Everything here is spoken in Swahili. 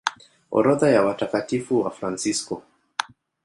Orodha ya Watakatifu Wafransisko